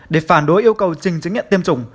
để phản đối yêu cầu trình chứng nhận tiêm chủng